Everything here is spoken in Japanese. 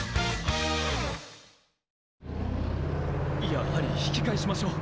やはり引き返しましょう！